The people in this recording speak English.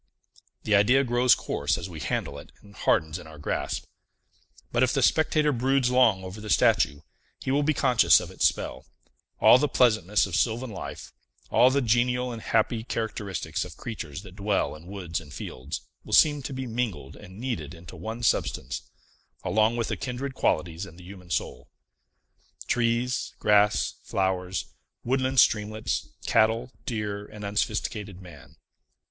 The idea grows coarse as we handle it, and hardens in our grasp. But, if the spectator broods long over the statue, he will be conscious of its spell; all the pleasantness of sylvan life, all the genial and happy characteristics of creatures that dwell in woods and fields, will seem to be mingled and kneaded into one substance, along with the kindred qualities in the human soul. Trees, grass, flowers, woodland streamlets, cattle, deer, and unsophisticated man.